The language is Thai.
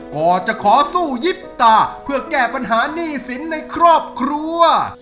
ก่อนจะขอสู้ยิบตาเพื่อแก้ปัญหาหนี้สินในครอบครัว